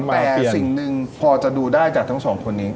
แต่สิ่งหนึ่งพอจะดูได้จากทั้งสองคนนี้